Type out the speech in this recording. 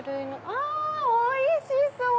あおいしそう！